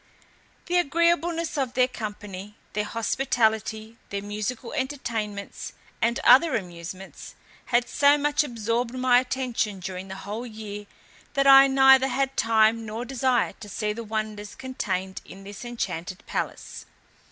The agreeableness of their company, their hospitality, their musical entertainments, and other amusements, had so much absorbed my attention during the whole year, that I neither had time nor desire to see the wonders contained in this enchanted palace.